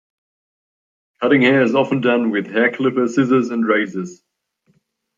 Cutting hair is often done with hair clipper, scissors and razors.